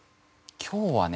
今日はね